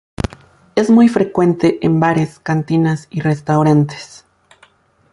Es muy frecuente en bares, cantinas y restaurantes.